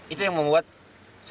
itu yang memungkinkan